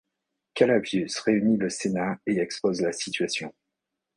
Calavius réunit le sénat et expose la situation.